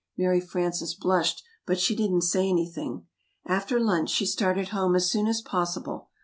Mary Frances blushed, but she didn't say anything. After lunch, she started home as soon as possible.